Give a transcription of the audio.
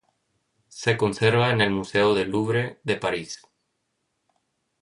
Se conserva en el Museo del Louvre de París.